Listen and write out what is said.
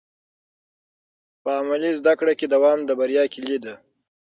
په عملي زده کړه کې دوام د بریا کلید دی.